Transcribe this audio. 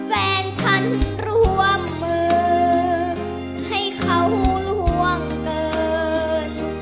แฟนฉันร่วมมือให้เขาล่วงเกิน